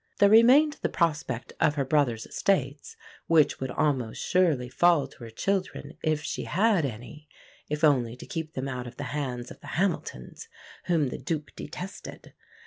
There remained the prospect of her brother's estates, which would almost surely fall to her children if she had any, if only to keep them out of the hands of the Hamiltons, whom the Duke detested.